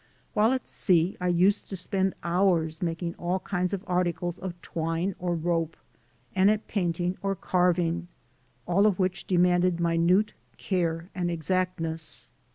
While at sea I used to spend hours making 188 THE SOUL OF AN IMMIGRANT all kinds of articles of twine or rope, and at paint ing or carving, all of which demanded minute care and exactness.